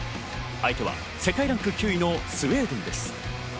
相手は世界ランク９位のスウェーデンです。